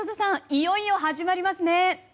いよいよ始まりますね！